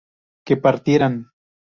que partieran